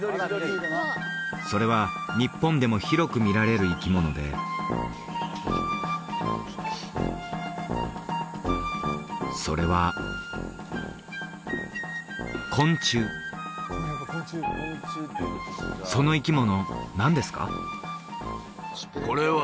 それは日本でも広く見られる生き物でそれは昆虫その生き物